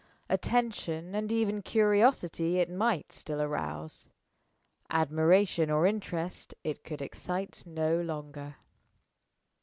Attention and even curiosity it might still rouse. Admiration or interest it could excite no longer.